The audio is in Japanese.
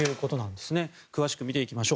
詳しく見ていきます。